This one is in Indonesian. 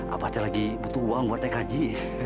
abah lagi butuh uang buat naik haji